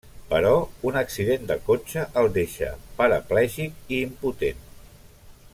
Però un accident de cotxe el deixa paraplègic i impotent.